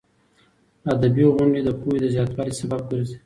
ادبي غونډې د پوهې د زیاتوالي سبب ګرځي.